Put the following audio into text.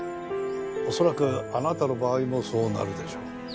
恐らくあなたの場合もそうなるでしょう。